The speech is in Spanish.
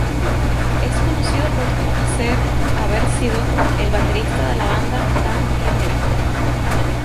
Es conocido por ser haber sido el baterista de la banda Tan Biónica.